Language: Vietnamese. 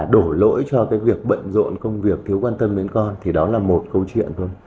đổ lỗi cho cái việc bận rộn công việc thiếu quan tâm đến con thì đó là một câu chuyện thôi